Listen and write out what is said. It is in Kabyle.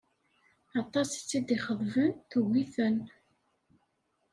Aṭas i tt-id-ixeḍben, tugi-ten.